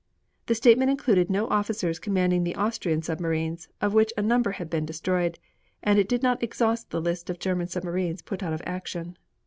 The statement included no officers commanding the Austrian submarines, of which a number had been destroyed, and did not exhaust the list of German submarines put out of action.